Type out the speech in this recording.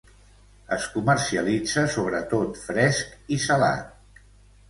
Es comercialitza sobretot fresc i salat.